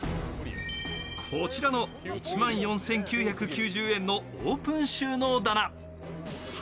こちらの１万４９９０円のオープン収納棚。